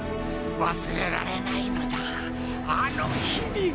忘れられないのだあの日々が。